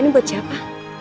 ini buat siapa